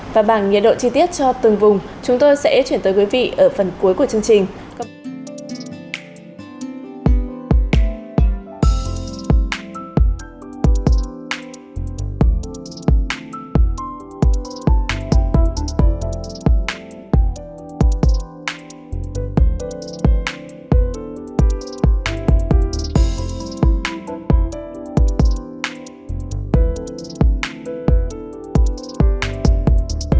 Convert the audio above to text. và bảng nhiệt độ chi tiết cho từng vùng chúng tôi sẽ chuyển tới quý vị ở phần cuối của chương trình